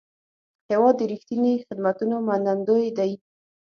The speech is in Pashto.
هېواد د رښتیني خدمتونو منندوی دی.